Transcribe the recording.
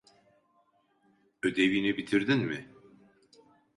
Ödevini bitirdin mi?